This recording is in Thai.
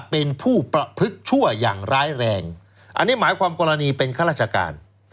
เป็นผู้ประพฤกษั่วอย่างร้ายแรงอันนี้หมายความกรณีเป็นข้าราชการ